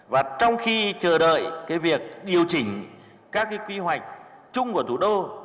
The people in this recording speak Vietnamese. và trong khi chờ đợi cái việc điều chỉnh các cái quy hoạch chung của thủ đô